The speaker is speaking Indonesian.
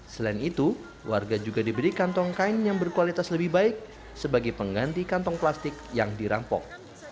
selain itu warga juga diberi kantong kain yang berkualitas lebih baik sebagai pengganti kantong plastik yang dirampok